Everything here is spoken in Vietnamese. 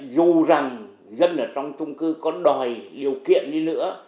dù rằng dân ở trong trung cư có đòi điều kiện đi nữa